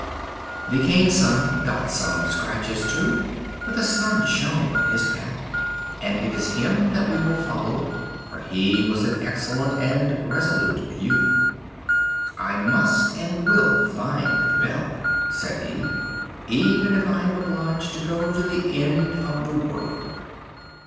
The King's Son got some scratches too; but the sun shone on his path, and it is him that we will follow, for he was an excellent and resolute youth. "I must and will find the bell," said he, "even if I am obliged to go to the end of the world."